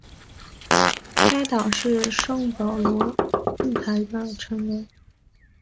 该党是圣保罗论坛的成员。